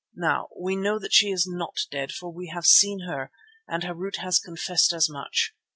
Now we know that she is not dead, for we have seen her and Harût has confessed as much.